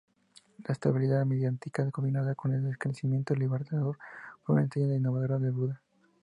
La estabilidad meditativa combinada con el discernimiento liberador fue una enseñanza innovadora de Buda.